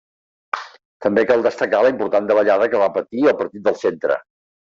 També cal destacar la important davallada que va patir el Partit del Centre.